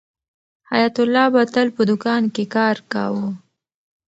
حیات الله به تل په دوکان کې کار کاوه.